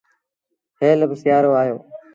هيل با سيٚآرو آيو